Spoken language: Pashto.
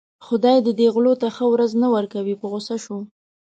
خدای دې دې غلو ته ښه ورځ نه ورکوي په غوسه شو.